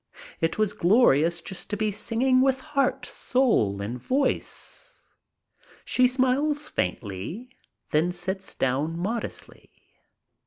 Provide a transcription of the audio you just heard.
It was glorious, just to be singing with heart, soul and voice. She smiles faintly, then sits down modestly.